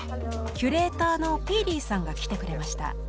キュレーターの皮力さんが来てくれました。